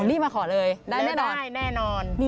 รีบมาขอเลยได้แน่นอน